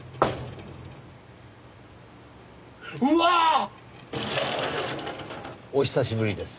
うわっ！お久しぶりです。